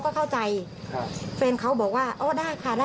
ขอบคุณครับขอบคุณครับ